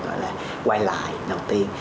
gọi là quay lại đầu tiên